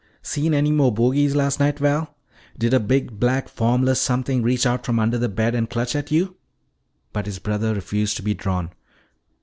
See any more bogies last night, Val? Did a big, black, formless something reach out from under the bed and clutch at you?" But his brother refused to be drawn.